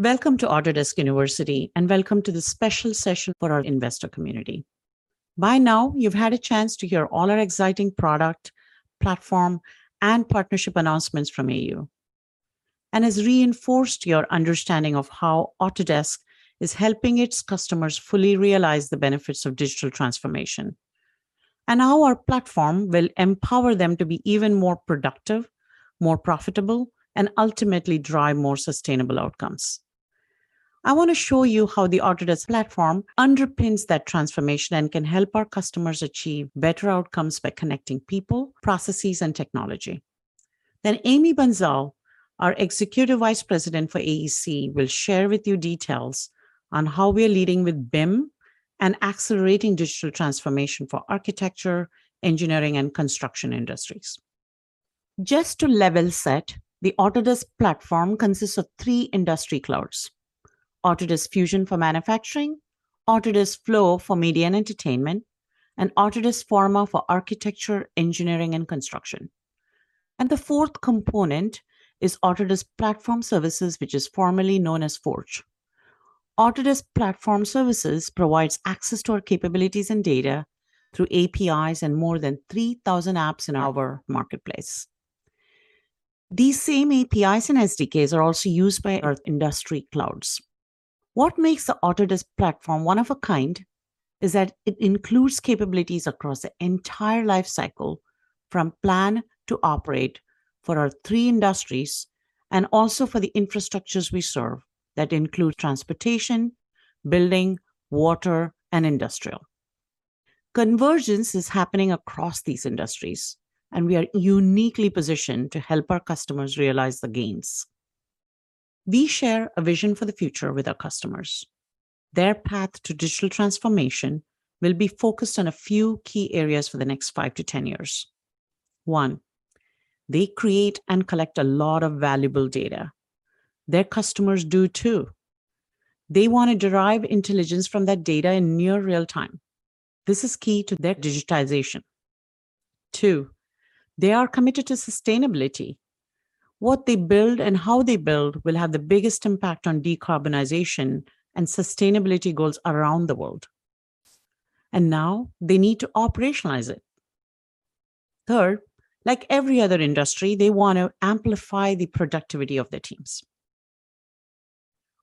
Welcome to Autodesk University, and welcome to this special session for our investor community. By now, you've had a chance to hear all our exciting product, platform, and partnership announcements from AU, and has reinforced your understanding of how Autodesk is helping its customers fully realize the benefits of digital transformation, and how our platform will empower them to be even more productive, more profitable, and ultimately drive more sustainable outcomes. I want to show you how the Autodesk Platform underpins that transformation and can help our customers achieve better outcomes by connecting people, processes, and technology. Amy Bunszel, our Executive Vice President for AEC, will share with you details on how we're leading with BIM and accelerating digital transformation for Architecture, Engineering, and Construction Industries. Just to level set, the Autodesk Platform consists of three industry clouds. Autodesk Fusion for manufacturing, Autodesk Flow for media and entertainment, and Autodesk Forma for architecture, engineering, and construction. The fourth component is Autodesk Platform Services, which is formerly known as Forge. Autodesk Platform Services provides access to our capabilities and data through APIs and more than 3,000 apps in our marketplace. These same APIs and SDKs are also used by our industry clouds. What makes the Autodesk Platform one of a kind is that it includes capabilities across the entire life cycle from plan to operate for our three industries, and also for the infrastructures we serve that include transportation, building, water, and industrial. Convergence is happening across these industries, and we are uniquely positioned to help our customers realize the gains. We share a vision for the future with our customers. Their path to digital transformation will be focused on a few key areas for the next five-10 years. One, they create and collect a lot of valuable data. Their customers do too. They want to derive intelligence from that data in near real time. This is key to their digitization. Two, they are committed to sustainability. What they build and how they build will have the biggest impact on decarbonization and sustainability goals around the world. Now they need to operationalize it. Third, like every other industry, they want to amplify the productivity of their teams.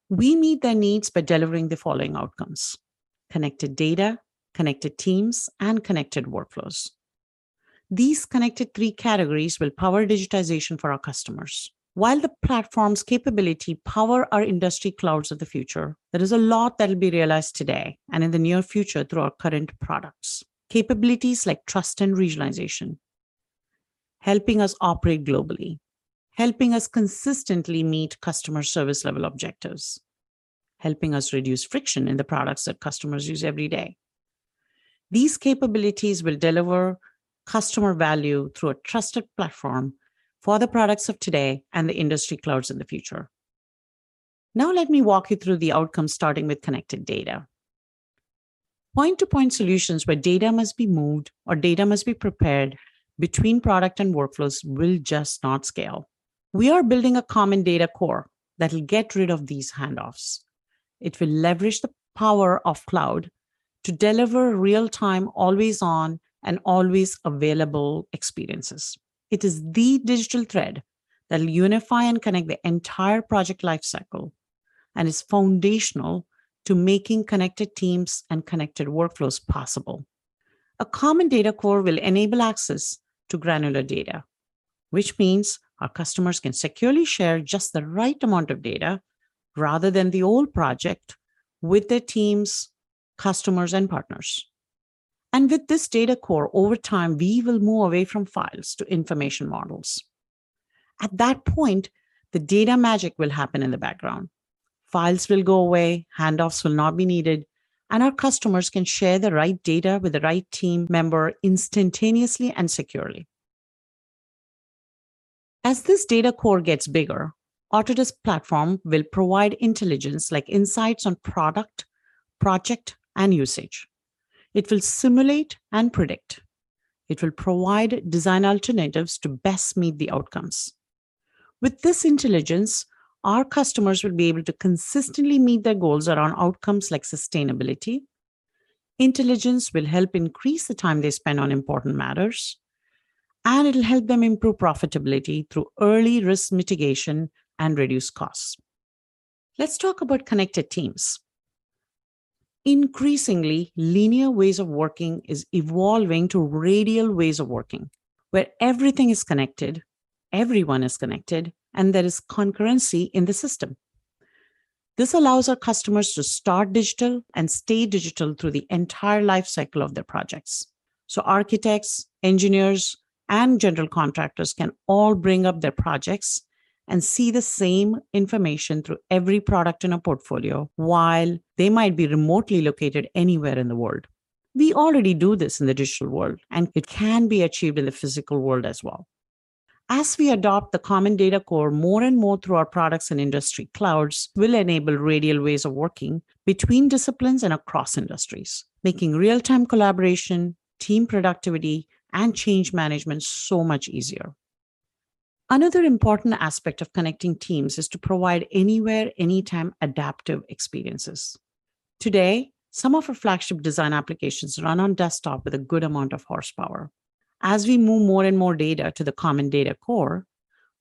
We meet their needs by delivering the following outcomes, connected data, connected teams, and connected workflows. These connected three categories will power digitization for our customers. While the platform's capabilities power our industry clouds of the future, there is a lot that will be realized today and in the near future through our current products. Capabilities like trust and regionalization, helping us operate globally, helping us consistently meet customer service level objectives, helping us reduce friction in the products that customers use every day. These capabilities will deliver customer value through a trusted platform for the products of today and the industry clouds in the future. Now let me walk you through the outcomes starting with connected data. Point-to-point solutions where data must be moved or data must be prepared between products and workflows will just not scale. We are building a common data core that will get rid of these handoffs. It will leverage the power of cloud to deliver real-time, always on, and always available experiences. It is the digital thread that'll unify and connect the entire project life cycle and is foundational to making connected teams and connected workflows possible. A common data core will enable access to granular data. Which means our customers can securely share just the right amount of data rather than the whole project with their teams, customers, and partners. With this data core, over time, we will move away from files to information models. At that point, the data magic will happen in the background. Files will go away, handoffs will not be needed, and our customers can share the right data with the right team member instantaneously and securely. As this data core gets bigger, Autodesk Platform will provide intelligence like insights on product, project, and usage. It will simulate and predict. It will provide design alternatives to best meet the outcomes. With this intelligence, our customers will be able to consistently meet their goals around outcomes like sustainability. Intelligence will help increase the time they spend on important matters, and it'll help them improve profitability through early risk mitigation and reduced costs. Let's talk about connected teams. Increasingly, linear ways of working is evolving to radial ways of working, where everything is connected, everyone is connected, and there is concurrency in the system. This allows our customers to start digital and stay digital through the entire life cycle of their projects. Architects, engineers, and general contractors can all bring up their projects and see the same information through every product in a portfolio while they might be remotely located anywhere in the world. We already do this in the digital world, and it can be achieved in the physical world as well. As we adopt the common data core more and more through our products and industry clouds, we'll enable radical ways of working between disciplines and across industries, making real-time collaboration, team productivity, and change management so much easier. Another important aspect of connecting teams is to provide anywhere, anytime adaptive experiences. Today, some of our flagship design applications run on desktop with a good amount of horsepower. As we move more and more data to the common data core,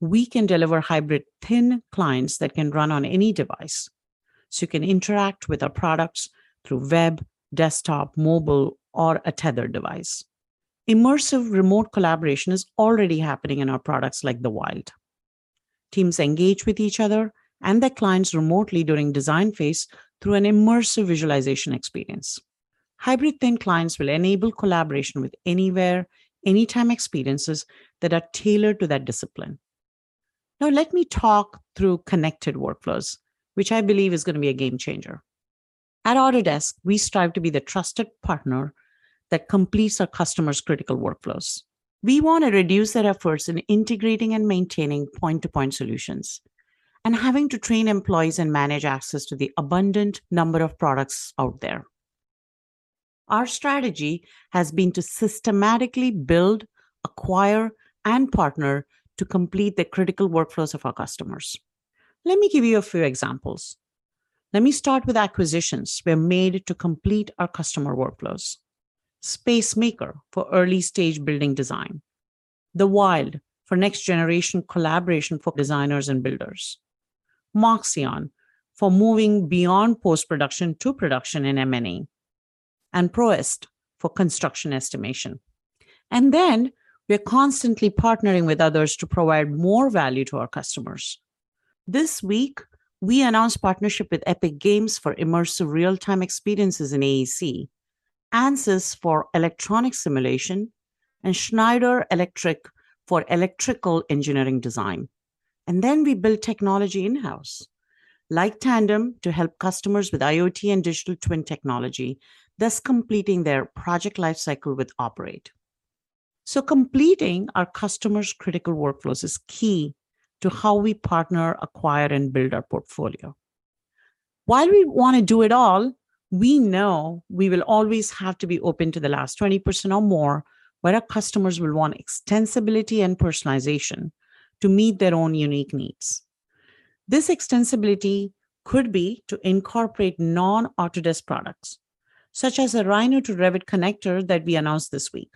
we can deliver hybrid thin clients that can run on any device. So you can interact with our products through web, desktop, mobile, or a tethered device. Immersive remote collaboration is already happening in our products like The Wild. Teams engage with each other and their clients remotely during design phase through an immersive visualization experience. Hybrid thin clients will enable collaboration with anywhere, anytime experiences that are tailored to that discipline. Now let me talk through connected workflows, which I believe is gonna be a game changer. At Autodesk, we strive to be the trusted partner that completes our customers' critical workflows. We wanna reduce their efforts in integrating and maintaining point-to-point solutions and having to train employees and manage access to the abundant number of products out there. Our strategy has been to systematically build, acquire, and partner to complete the critical workflows of our customers. Let me give you a few examples. Let me start with acquisitions we have made to complete our customer workflows. Spacemaker for early-stage building design, The Wild for next-generation collaboration for designers and builders, Moxion for moving beyond post-production to production in M&E, and ProEst for construction estimation. We're constantly partnering with others to provide more value to our customers. This week, we announced partnership with Epic Games for immersive real-time experiences in AEC, Ansys for electronic simulation, and Schneider Electric for electrical engineering design. We build technology in-house, like Tandem to help customers with IoT and digital twin technology, thus completing their project life cycle with operate. Completing our customers' critical workflows is key to how we partner, acquire, and build our portfolio. While we wanna do it all, we know we will always have to be open to the last 20% or more where our customers will want extensibility and personalization to meet their own unique needs. This extensibility could be to incorporate non-Autodesk products, such as a Rhino to Revit connector that we announced this week.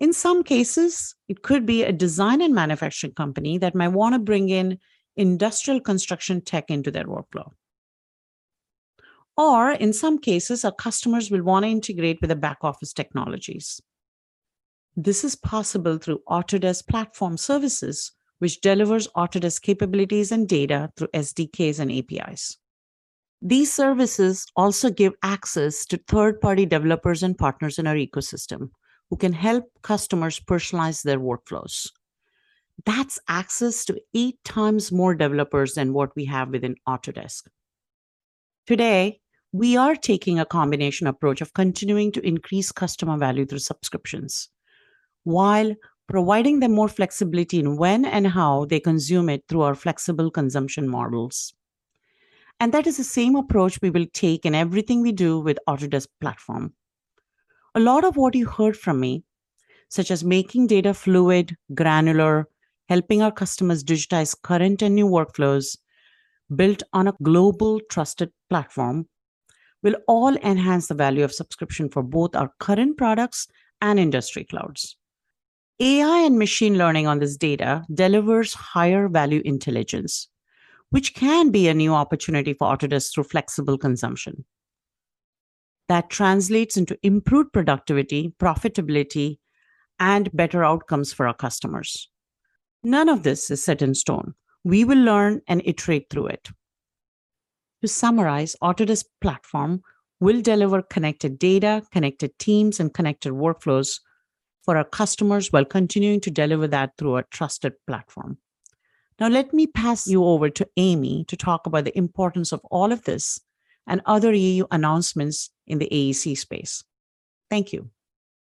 In some cases, it could be a design and manufacturing company that might wanna bring in industrial construction tech into their workflow. In some cases, our customers will wanna integrate with the back office technologies. This is possible through Autodesk Platform Services, which delivers Autodesk capabilities and data through SDKs and APIs. These services also give access to third-party developers and partners in our ecosystem who can help customers personalize their workflows. That's access to eight times more developers than what we have within Autodesk. Today, we are taking a combination approach of continuing to increase customer value through subscriptions while providing them more flexibility in when and how they consume it through our flexible consumption models. That is the same approach we will take in everything we do with Autodesk Platform. A lot of what you heard from me, such as making data fluid, granular, helping our customers digitize current and new workflows, built on a global trusted platform, will all enhance the value of subscription for both our current products and industry clouds. AI and machine learning on this data delivers higher value intelligence, which can be a new opportunity for Autodesk through flexible consumption. That translates into improved productivity, profitability, and better outcomes for our customers. None of this is set in stone. We will learn and iterate through it. To summarize, Autodesk Platform will deliver connected data, connected teams, and connected workflows for our customers while continuing to deliver that through a trusted platform. Now let me pass you over to Amy to talk about the importance of all of this and other AU announcements in the AEC space. Thank you.